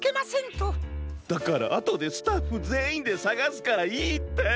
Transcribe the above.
だからあとでスタッフぜんいんでさがすからいいって！